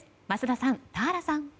桝田さん、田原さん。